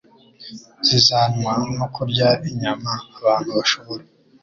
zizanwa no kurya inyama. Abantu bashobora